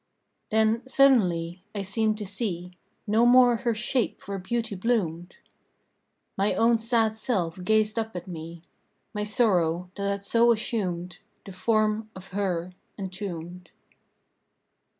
Then suddenly I seemed to see No more her shape where beauty bloomed ... My own sad self gazed up at me My sorrow, that had so assumed The form of her entombed.